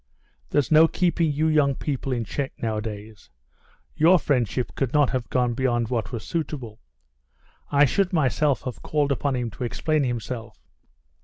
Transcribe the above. "There's no keeping you young people in check nowadays.... Your friendship could not have gone beyond what was suitable. I should myself have called upon him to explain himself.